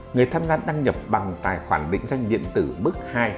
người tham gia đăng nhập bằng tài khoản định danh điện tử